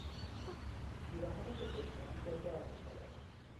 پیراهنی که پشت آن قلاب میشود